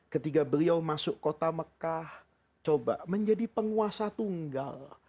ketika beliau masuk kota mekah coba menjadi penguasa tunggal